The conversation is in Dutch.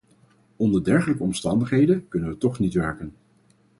Onder dergelijke omstandigheden kunnen we toch niet werken.